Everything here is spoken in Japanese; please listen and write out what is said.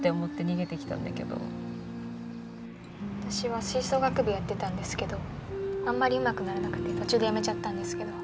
私は吹奏楽部やってたんですけどあんまりうまくならなくて途中でやめちゃったんですけど。